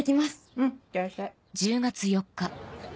うんいってらっしゃい。